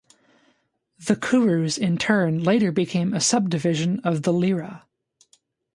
The Kurus in turn later became a subdivision of the lira.